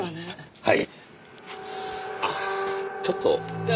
はい。